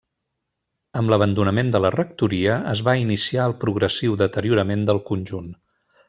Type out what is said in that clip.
Amb l'abandonament de la rectoria es va iniciar el progressiu deteriorament del conjunt.